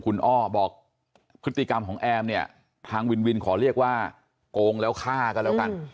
คุณอ้อบอกพฤติกรรมของแอมเนี่ยทางวินวินขอเรียกว่าโกงแล้วฆ่ากันแล้วกัน